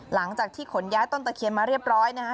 หลังจากที่ขนย้ายต้นตะเคียนมาเรียบร้อยนะฮะ